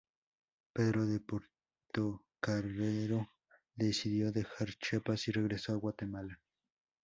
Pedro de Portocarrero decidió dejar Chiapas, y regresó a Guatemala.